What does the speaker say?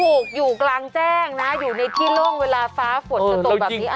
ถูกอยู่กลางแจ้งนะอยู่ในที่โล่งเวลาฟ้าฝนจะตกแบบนี้